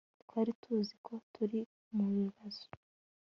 twari tuzi ko turi mubibazo